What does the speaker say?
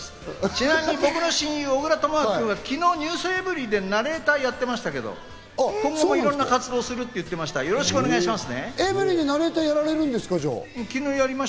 ちなみに僕の親友・小倉智昭君は昨日『ｎｅｗｓｅｖｅｒｙ．』でナレーターをやってましたけど、今後もいろんな活動をしていくとおはようございます。